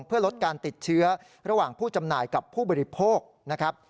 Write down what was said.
เพื่อลดการติดเชื้อระหว่างผู้จำหน่ายกับผู้บริโภคนะครับ